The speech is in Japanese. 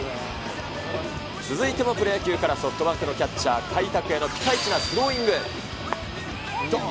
続いてもプロ野球からソフトバンクのキャッチャー、甲斐拓也のピカイチなスローイング。